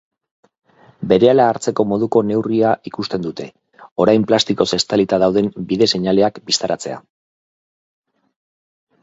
Berehala hartzeko moduko neurria ikusten dute, orain plastikoz estalita dauden bide-seinaleak bistaratzea.